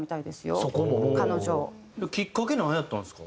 きっかけなんやったんですか？